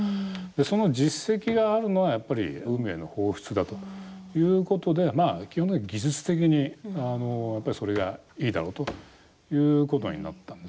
その実績があるのは、やっぱり海への放出だということで基本的には技術的にそれがいいだろうということになったんですよね。